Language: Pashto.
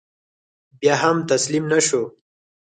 بیا هم تسلیم نه شو.